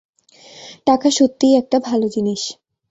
টাকা সত্যিই একটা ভালো জিনিস।